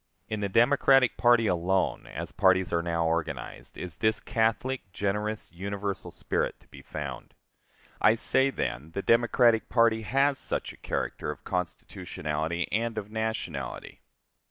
In the Democratic party alone, as parties are now organized, is this catholic, generous, universal spirit to be found. I say, then, the Democratic party has such a character of constitutionality and of nationality.